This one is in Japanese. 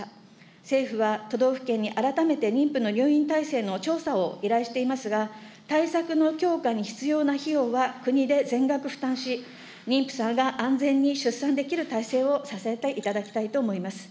政府は都道府県に改めて妊婦の入院体制の調査を依頼していますが、対策の強化に必要な費用は国で全額負担し、妊婦さんが安全に出産できる体制を支えていただきたいと思います。